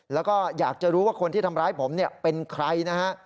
แล้วก็อยากจะรู้ว่าคนที่ทำร้ายผมเนี่ยเป็นใครนะฮะ